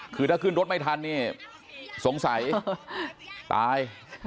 คือถ้าขึ้นรถไม่ทันนี่สงสัยตาย